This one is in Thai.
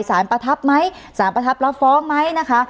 ประทับไหมสารประทับรับฟ้องไหมนะคะ